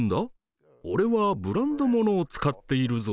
俺はブランドものを使っているぞ」